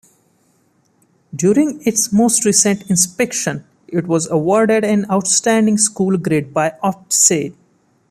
During its most recent inspection it was awarded an Outstanding school grade by Ofsted.